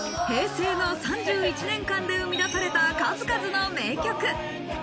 平成の３１年間で生み出された数々の名曲。